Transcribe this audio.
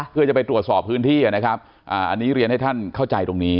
เพื่อจะไปตรวจสอบพื้นที่นะครับอันนี้เรียนให้ท่านเข้าใจตรงนี้